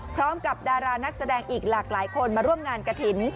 ดารานักแสดงอีกหลากหลายคนมาร่วมงานกระถิ่น